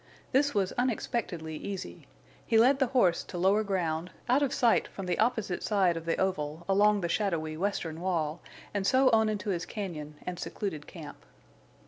This was unexpectedly easy. He led the horse to lower ground, out of sight from the opposite side of the oval along the shadowy western wall, and so on into his cañon and secluded camp.